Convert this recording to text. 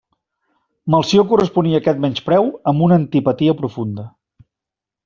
Melcior corresponia a aquest menyspreu amb una antipatia profunda.